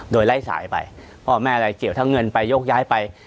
โดยไล่สายไปพ่อแม่อะไรเกี่ยวทั้งเงินไปโยกย้ายไป